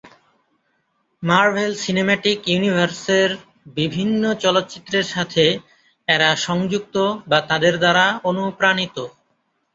Marvel cinematic ইউনিভার্সের বিভিন্ন চলচ্চিত্রের সাথে এরা সংযুক্ত বা তাদের দ্বারা অনুপ্রাণিত।